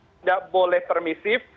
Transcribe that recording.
tidak boleh permisif